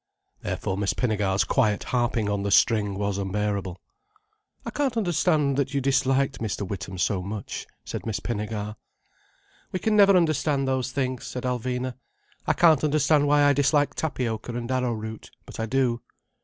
Therefore Miss Pinnegar's quiet harping on the string was unbearable. "I can't understand that you disliked Mr. Witham so much?" said Miss Pinnegar. "We never can understand those things," said Alvina. "I can't understand why I dislike tapioca and arrowroot—but I do."